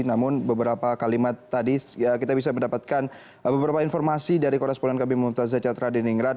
namun beberapa kalimat tadi kita bisa mendapatkan beberapa informasi dari koresponan kb muntaz zajatra di ningrat